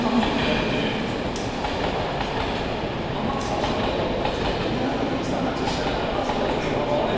取ると同角成で２七角に３八飛車がぴったりですからね。